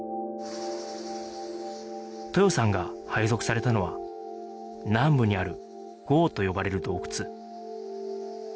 豊さんが配属されたのは南部にある壕と呼ばれる洞窟